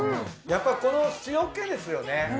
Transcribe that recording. やっぱりこの塩気ですよね。